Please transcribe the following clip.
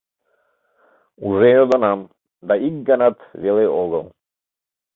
— Уже йодынам, да ик ганат веле огыл.